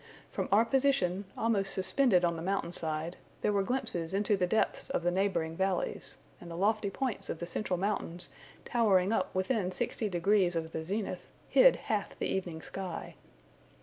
From our position, almost suspended on the mountain side, there were glimpses into the depths of the neighbouring valleys; and the lofty points of the central mountains, towering up within sixty degrees of the zenith, hid half the evening sky.